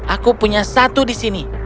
aku punya satu di sini